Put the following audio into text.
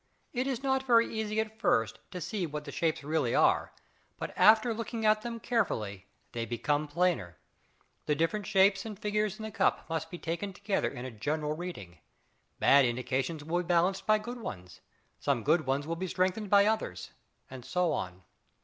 It is not very easy at first to see what the shapes really are, but after looking at them carefully they become plainer. The different shapes and figures in the cup must be taken together in a general reading. Bad indications will be balanced by good ones; some good ones will be strengthened by others, and so on.